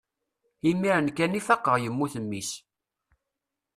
imir-n kan i faqeɣ yemmut mmi-s